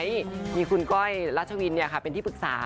มีคุณก้อยรัชวินเป็นที่ปรึกษา